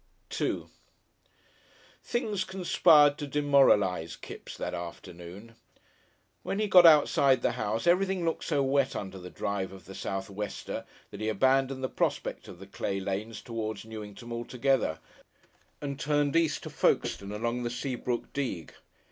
§2 Things conspired to demoralise Kipps that afternoon. When he got outside the house everything looked so wet under the drive of the southwester that he abandoned the prospect of the clay lanes towards Newington altogether, and turned east to Folkestone along the Seabrook digue.